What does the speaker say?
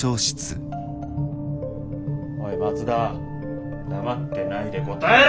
おい松田黙ってないで答えろ！